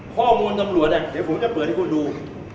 ข้อมูลตำรวจเดี๋ยวผมจะเปิดให้คนดู